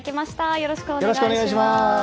よろしくお願いします。